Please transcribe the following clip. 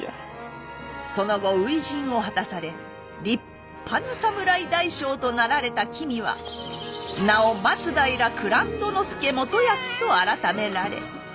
その後初陣を果たされ立派な侍大将となられた君は名を松平蔵人佐元康と改められ。